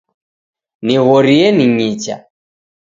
Nighorie ning'icha